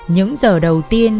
những giờ đầu tiên